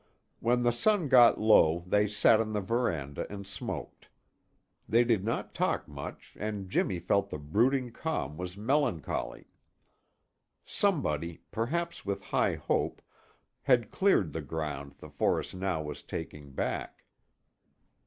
When the sun got low they sat on the veranda and smoked. They did not talk much, and Jimmy felt the brooding calm was melancholy. Somebody, perhaps with high hope, had cleared the ground the forest now was taking back.